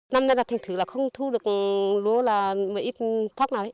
năm nay là thành thử là không thu được lúa là một ít thóc nào đấy